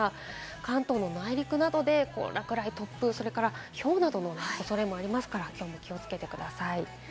関東の内陸などで落雷、突風それからひょうなどのおそれもありますから気をつけてください。